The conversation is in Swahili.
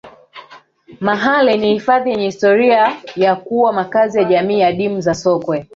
mahale ni hifadhi yenye historia ya kuwa makazi ya jamii adimu za sokwe